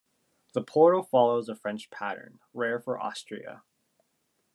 The portal follows a French pattern, rare for Austria.